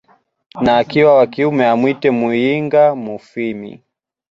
na akiwa wa kiume amwite Muyinga mufwimi